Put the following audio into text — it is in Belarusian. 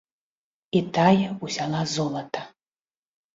І тая ўзяла золата.